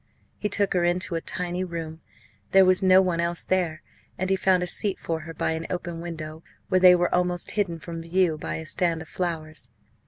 He took her into a tiny room. There was no one else there, and he found a seat for her by an open window, where they were almost hidden from view by a stand of flowers.